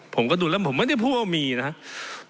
ผมก็ดูแล้วผมไม่ได้พูดว่ามีนะครับ